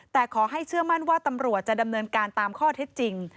แต่ขอให้เชื่อมั่นว่าตำรวจจะดำเนินการตามข้อเท็จจริง